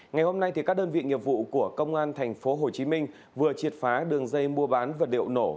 ngày hôm nay thì các đơn vị nhiệm vụ của công an tp hcm vừa triệt phá đường dây mua bán vật điệu nổ